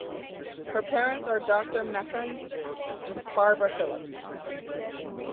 Her parents are Doctor Macon and Barbara Phillips.